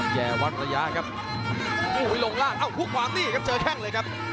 แก่วัดระยะครับโอ้โหลงล่างเอ้าคู่ขวานี่ครับเจอแข้งเลยครับ